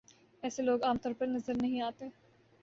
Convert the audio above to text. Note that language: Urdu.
ایسے لوگ عام طور پر نظر نہیں آتے ۔